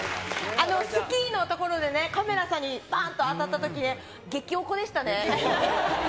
スキーのところでね、カメラさんにばーんと当たったとき、激オコでしたね。